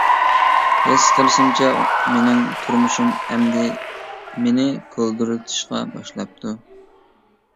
ھېس قىلىشىمچە مېنىڭ تۇرمۇشۇم ئەمدى مېنى كولدۇرلىتىشقا باشلاپتۇ.